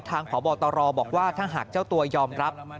พบตรบอกว่าถ้าหากเจ้าตัวยอมรับ